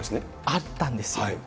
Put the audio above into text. あったんですよ。